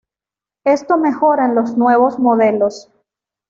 Esto mejora en los nuevos modelos.